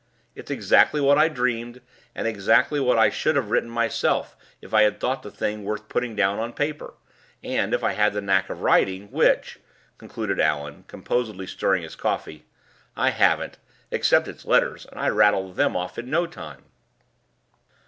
It's exactly what I dreamed, and exactly what I should have written myself, if I had thought the thing worth putting down on paper, and if I had had the knack of writing which," concluded Allan, composedly stirring his coffee, "I haven't, except it's letters; and I rattle them off in no time."